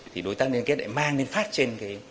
thì đối tác liên kết lại mang lên phát trên cái